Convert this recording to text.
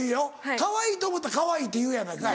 かわいいと思うたらかわいいって言うやないかい。